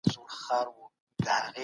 زړو وسايلو ډير زيات بشري ځواک مصرف کړ.